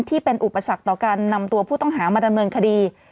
ที่เป็นอุปสรรคต่อการนำตัวผู้ต้องหามาดำเนินคดี